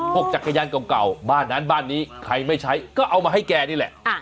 จักรยานเก่าบ้านนั้นบ้านนี้ใครไม่ใช้ก็เอามาให้แกนี่แหละ